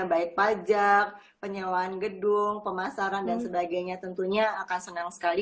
baik pajak penyewaan gedung pemasaran dan sebagainya tentunya akan senang sekali